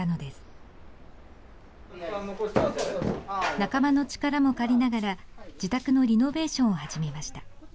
仲間の力も借りながら自宅のリノベーションを始めました。